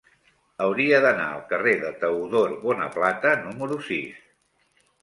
Hauria d'anar al carrer de Teodor Bonaplata número sis.